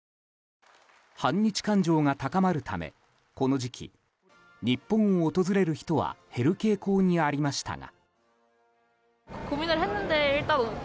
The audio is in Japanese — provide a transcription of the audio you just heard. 反日感情が高まるためこの時期、日本を訪れる人は減る傾向にありましたが。